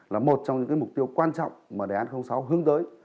là một trong những mục tiêu quan trọng mà đề án sáu hướng tới